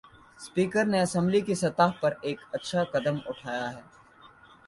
Speaker نے assembly کی سطح پر ایک اچھا قدم اٹھایا ہے۔